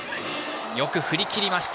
よく振りきりました。